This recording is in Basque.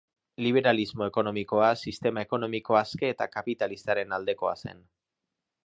Liberalismo ekonomikoa, sistema ekonomiko aske eta kapitalistaren aldekoa zen.